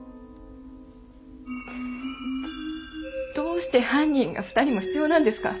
どうして犯人が２人も必要なんですか？